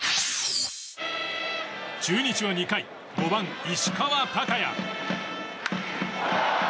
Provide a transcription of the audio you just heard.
中日は２回、５番、石川昂弥。